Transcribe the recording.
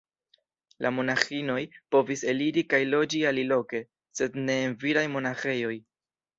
La monaĥinoj povis eliri kaj loĝi aliloke, sed ne en viraj monaĥejoj.